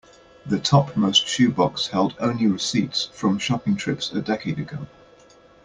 The topmost shoe box held only receipts from shopping trips a decade ago.